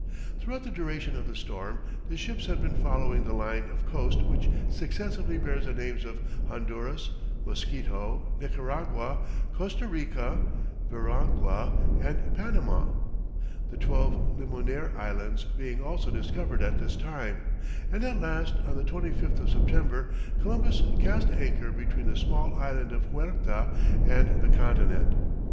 Throughout the duration of the storm, the ships had been following the line of coast which successively bears the names of Honduras, Mosquito, Nicaragua, Costa Rica, Veragua, and Panama, the twelve Limonare Islands being also discovered at this time, and at last, on the 25th of September, Columbus cast anchor between the small island of Huerta and the continent.